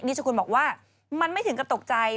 ชกุลบอกว่ามันไม่ถึงกับตกใจ